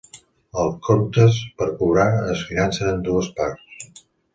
Els comptes per cobrar es financen en dues parts.